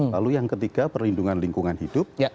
lalu yang ketiga perlindungan lingkungan hidup